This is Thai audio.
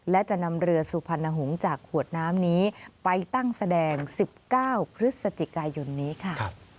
และจะนำเรือสุพรรณหงษ์จากขวดน้ำนี้ไปตั้งแสดง๑๙พฤศจิกายนนี้ค่ะ